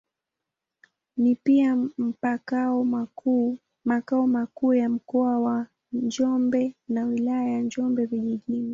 Ni pia makao makuu ya Mkoa wa Njombe na Wilaya ya Njombe Vijijini.